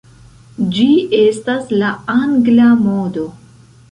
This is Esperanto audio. Ĝi estas la Angla modo.